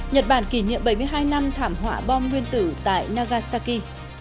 nhật bản kỷ niệm bảy mươi hai năm thảm họa bom nguyên tử tại nagasaki